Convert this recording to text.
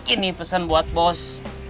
ini pesan buat bos